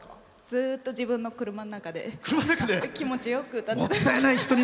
ずっと自分の車の中で気持ちよく歌ってました。